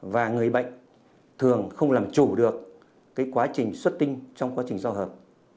và người bệnh thường không làm chủ được quá trình xuất tinh trong quá trình giao hợp